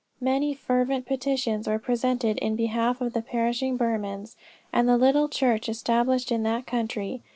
Many fervent petitions were presented in behalf of the perishing Burmans, and the little church established in that country.